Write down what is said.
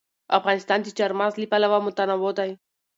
افغانستان د چار مغز له پلوه متنوع دی.